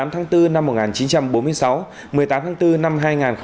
một mươi tháng bốn năm một nghìn chín trăm bốn mươi sáu một mươi tám tháng bốn năm hai nghìn hai mươi